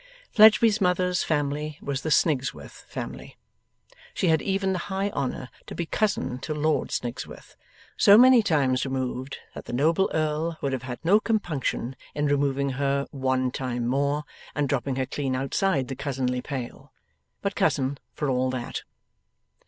Fledgeby's mother's family was the Snigsworth family. She had even the high honour to be cousin to Lord Snigsworth so many times removed that the noble Earl would have had no compunction in removing her one time more and dropping her clean outside the cousinly pale; but cousin for all that.